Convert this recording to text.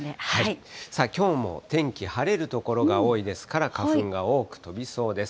さあ、きょうも天気、晴れる所が多いですから、花粉が多く飛びそうです。